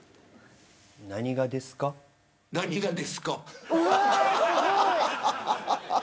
何がですか。